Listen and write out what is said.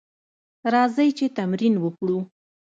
راځئ چې تمرین وکړو: